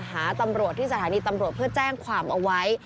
หาตำรวจที่สถานีตำรวจเพื่อแจ้งความเอาไว้